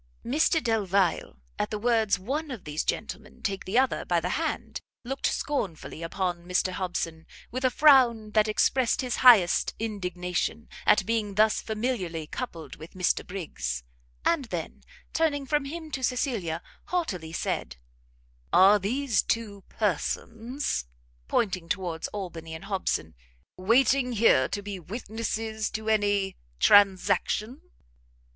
Mr Delvile, at the words one of these gentlemen take the other by the hand, looked scornfully upon Mr Hobson, with a frown that expressed his highest indignation, at being thus familiarly coupled with Mr Briggs. And then, turning from him to Cecilia, haughtily said, "Are these two persons," pointing towards Albany and Hobson, "waiting here to be witnesses to any transaction?"